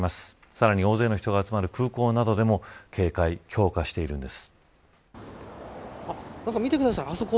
さらに大勢の人が集まる空港などでも警戒、強化しているんです。